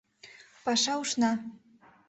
Паша ушна.